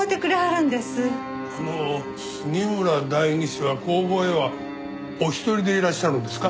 その杉村代議士は工房へはお一人でいらっしゃるんですか？